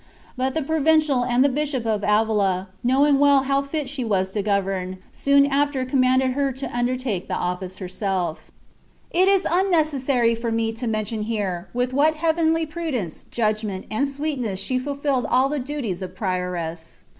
But the Provincial and the Bishop of Avila> knowing well how fit she was to govern, soon after commanded her to imdertake the office herself It is unnecessary for me to mention here with what heavenly prudence, judgment, and sweetness she ful filled all the duties of prioress.